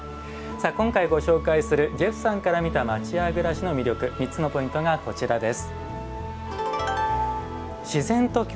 今回ご紹介するジェフさんから見た町家暮らしの魅力３つのポイントがこちらです。